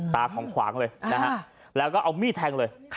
ตาของขวางเลยนะฮะแล้วก็เอามีดแทงเลย